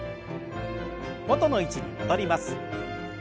元の位置に戻ります。